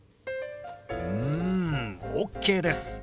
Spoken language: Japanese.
うんＯＫです。